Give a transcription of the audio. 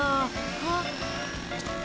あっ！